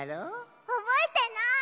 おぼえてない。